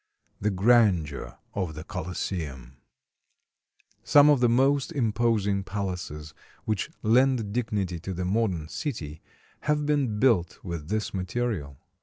THE GRANDEUR OF THE COLOSSEUM Some of the most imposing palaces which lend dignity to the modern city have been built with this material.